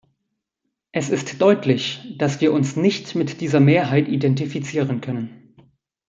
Es ist deutlich, dass wir uns nicht mit dieser Mehrheit identifizieren können.